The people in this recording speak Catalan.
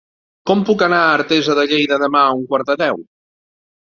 Com puc anar a Artesa de Lleida demà a un quart de deu?